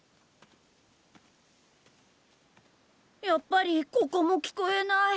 やっぱりここも聞こえない。